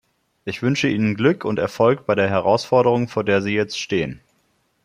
Ich wünsche Ihnen Glück und Erfolg bei der Herausforderung, vor der Sie jetzt stehen.